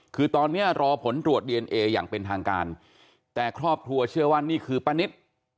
คือตอนนี้รอผลตรวจดีเอนเออย่างเป็นทางการแต่ครอบครัวเชื่อว่านี่คือป้านิต